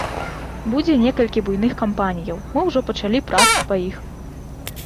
Будзе некалькі буйных кампаніяў, мы ўжо пачалі працу па іх.